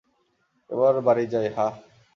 এবার বাড়ি যাই, হাহ?